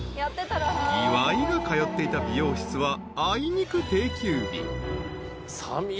［岩井が通っていた美容室はあいにく定休日］